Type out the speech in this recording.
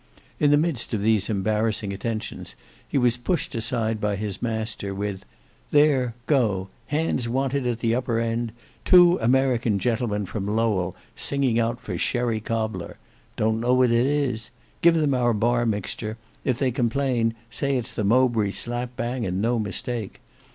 In the midst of these embarrassing attentions, he was pushed aside by his master with, "There, go; hands wanted at the upper end; two American gentlemen from Lowell singing out for Sherry Cobler; don't know what it is; give them our bar mixture; if they complain, say it's the Mowbray slap bang, and no mistake.